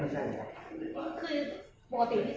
โอ้โห้